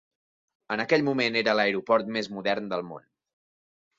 En aquell moment era l'aeroport més modern del món.